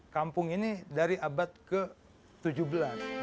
kampung ini dari abad ke tujuh belas